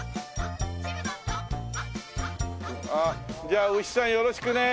じゃあ牛さんよろしくね。